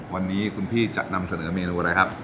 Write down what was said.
วันนี้คุณพี่จะนำเสนอเมนูอะไรครับ